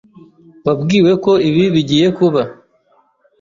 Wabwiwe ko ibi bigiye kuba.